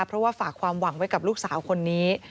เพราะว่าฝากความหวังไว้กับลูกสาวคนนี้